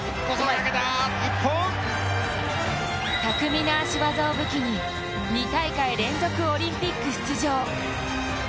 巧みな足技を武器に２大会連続オリンピック出場。